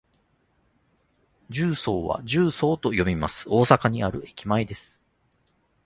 十三は「じゅうそう」と読みます。大阪にある駅前です。